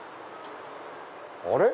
あれ？